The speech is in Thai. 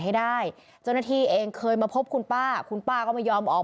ให้ได้เจ้าหน้าที่เองเคยมาพบคุณป้าคุณป้าก็ไม่ยอมออก